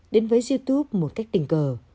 đến với youtube một cách tình cờ